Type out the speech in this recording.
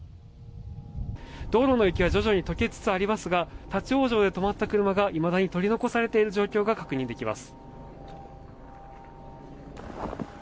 道路の雪は徐々に解けつつありますが立ち往生で止まった車がいまだに取り残されている状況が確認できます。